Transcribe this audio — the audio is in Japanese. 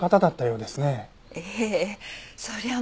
ええそりゃあ